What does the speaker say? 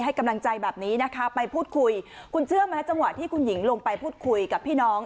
ให้กำลังใจแบบนี้นะคะไปพูดคุยคุณเชื่อไหมจังหวะที่คุณหญิงลงไปพูดคุยกับพี่น้อง